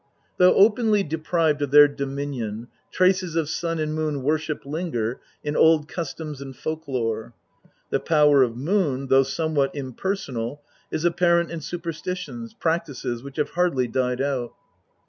Though openly deprived of their dominion, traces of Sun and Moon worship linger in old customs and folk lore. The power of Moon, though somewhat impersonal, is apparent in superstitious practises, which have hardly died out.